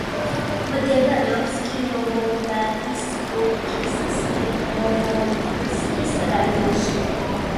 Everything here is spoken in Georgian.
მდებარეობს კიროვოგრადის ოლქის სვეტლოვოდსკის რაიონში.